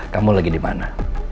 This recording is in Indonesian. kamu lagi dimana